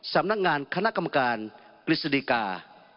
สำนักงานคณะกรรมการกฤษฎิกา